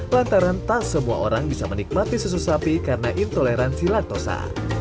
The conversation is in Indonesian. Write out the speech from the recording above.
lantaran tak semua orang bisa menikmati susu sapi karena intoleransi laktosa